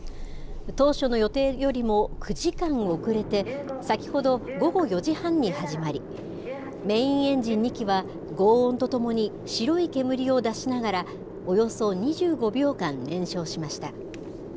当初の予定よりも９時間遅れて、先ほど午後４時半に始まり、メインエンジン２基は、ごう音とともに白い煙を出しながら、およそ２５秒間燃焼しました。